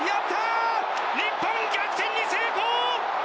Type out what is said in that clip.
日本逆転に成功！